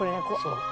そう。